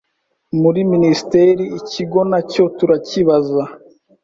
muri Minisiteri ikigo nacyo turakibaza